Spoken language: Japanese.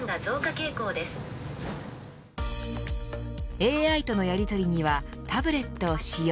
ＡＩとのやりとりにはタブレットを使用。